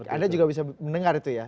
anda juga bisa mendengar itu ya